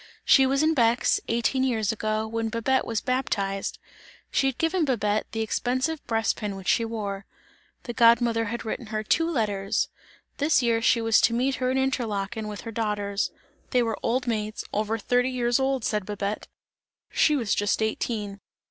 She was in Bex, eighteen years ago, when Babette was baptized; she had given Babette, the expensive breastpin which she wore. The god mother had written her two letters; this year she was to meet her in Interlaken, with her daughters; they were old maids, over thirty years old, said Babette; she was just eighteen.